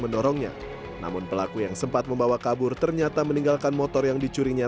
mendorongnya namun pelaku yang sempat membawa kabur ternyata meninggalkan motor yang dicurinya